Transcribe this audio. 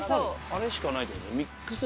あれしかないって事ね。